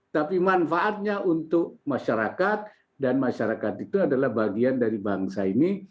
tapi manfaatnya untuk masyarakat dan masyarakat itu adalah bagian dari bangsa ini